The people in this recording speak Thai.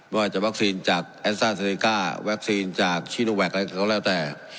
ว่าจะวัคซีนจากแอสซ่าเซเนก้าวัคซีนจากชิโนแวคอะไรก็แล้วแต่